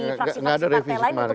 tidak ada revisi kemarin